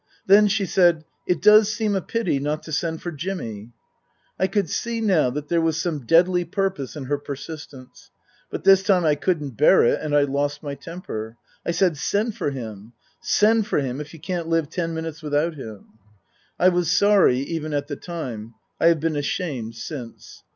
' Then," she said, " it does seem a pity not to send for Jimmy." I could see now that there was some deadly purpose in her persistence. But this time I couldn't bear it, and I lost my temper. I said, " Send for him. Send for him, if you can't live ten minutes without him." I was sorry even at the time ; I have been ashamed since.